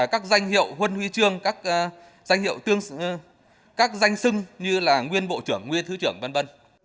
các danh hiệu huân huy chương các danh sưng như là nguyên bộ trưởng nguyên thứ trưởng v v